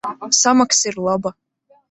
Samaksa ir laba.